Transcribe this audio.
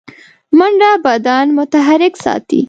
منډه بدن متحرک ساتي